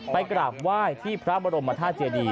กราบไหว้ที่พระบรมธาตุเจดี